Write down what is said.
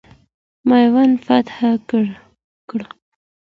میوند فتح کړه.